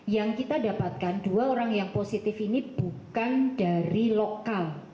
yang kita dapatkan dua orang yang positif ini bukan dari lokal